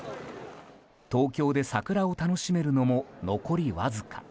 東京で桜を楽しめるのも残りわずか。